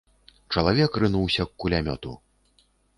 Чалавек рынуўся к кулямёту.